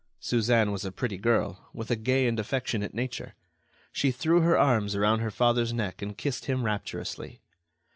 Suzanne was a pretty girl, with a gay and affectionate nature. She threw her arms around her father's neck and kissed him rapturously.